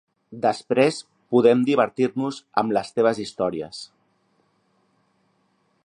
Després podem divertir-nos amb les teves històries.